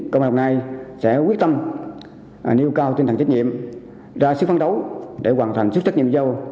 công an đồng nai sẽ quyết tâm nêu cao tinh thần trách nhiệm ra sức phấn đấu để hoàn thành sức trách nhiệm dâu